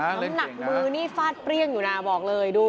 น้ำหนักมือนี่ฟาดเปรี้ยงอยู่นะบอกเลยดู